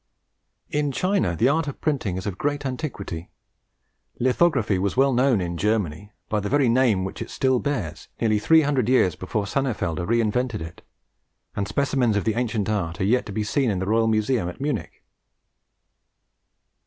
In China the art of printing is of great antiquity. Lithography was well known in Germany, by the very name which it still bears, nearly three hundred years before Senefelder reinvented it; and specimens of the ancient art are yet to be seen in the Royal Museum at Munich.